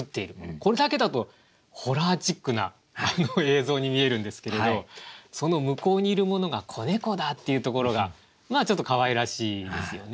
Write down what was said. これだけだとホラーチックな映像に見えるんですけれどその向こうにいるものが子猫だっていうところがまあちょっとかわいらしいですよね。